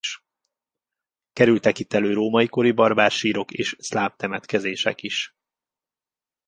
Kerültek itt elő római kori barbár sírok és szláv temetkezések is.